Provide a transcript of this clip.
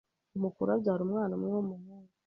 umukuru abyara umwana umwe w'umuhungu